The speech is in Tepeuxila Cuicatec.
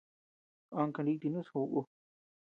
Ama kanitinus jobeku.